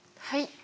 はい。